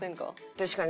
確かに。